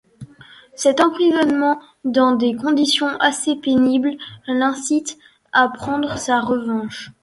Cet emprisonnement dans des conditions assez pénibles l'incite à prendre sa revanche.